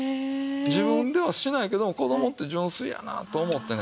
自分ではしないけども子供って純粋やなと思ってね